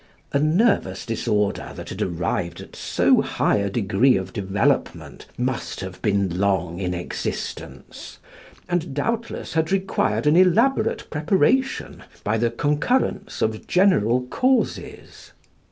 A nervous disorder that had arrived at so high a degree of development must have been long in existence, and doubtless had required an elaborate preparation by the concurrence of general causes.